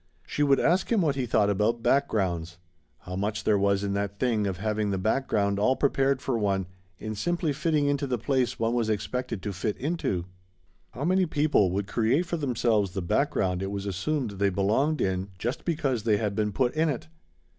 She would ask him what he thought about backgrounds. How much there was in that thing of having the background all prepared for one, in simply fitting into the place one was expected to fit into. How many people would create for themselves the background it was assumed they belonged in just because they had been put in it?